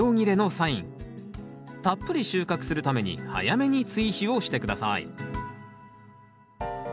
たっぷり収穫するために早めに追肥をして下さい。